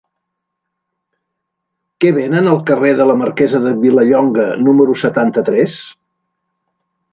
Què venen al carrer de la Marquesa de Vilallonga número setanta-tres?